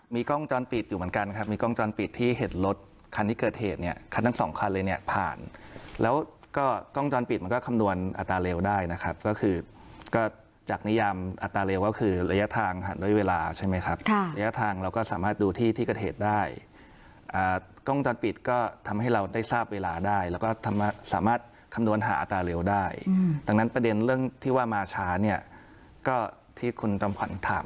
มีกล้องจ้อนปิดอยู่เหมือนกันครับมีกล้องจ้อนปิดที่เห็นรถคันที่เกิดเหตุเนี่ยคันทั้งสองคันเลยเนี่ยผ่านแล้วก็กล้องจ้อนปิดมันก็คำนวณอัตราเร็วได้นะครับก็คือก็จากนิยามอัตราเร็วก็คือระยะทางด้วยเวลาใช่ไหมครับระยะทางเราก็สามารถดูที่ที่เกิดเหตุได้กล้องจ้อนปิดก็ทำให้เราได้ทราบเวลาได้แล้วก็ทำ